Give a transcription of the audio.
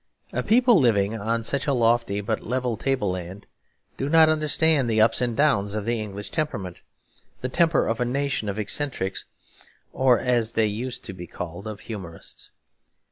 A people living on such a lofty but level tableland do not understand the ups and downs of the English temperament; the temper of a nation of eccentrics or (as they used to be called) of humorists.